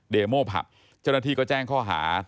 โม่ผับเจ้าหน้าที่ก็แจ้งข้อหา